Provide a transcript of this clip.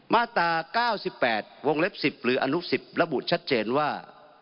มาตรา๙๘วงเล็บ๑๐หรืออนุ๑๐ระบุชัดเจนว่า